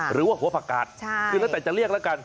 หรือว่าหัวผักกาดตั้งแต่จะเรียกละกัน